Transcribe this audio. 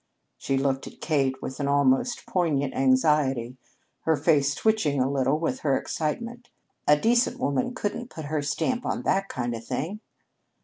She looked at Kate with an almost poignant anxiety, her face twitching a little with her excitement. "A decent woman couldn't put her stamp on that kind o' thing."